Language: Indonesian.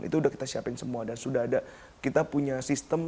itu sudah kita siapin semua dan sudah ada kita punya sistem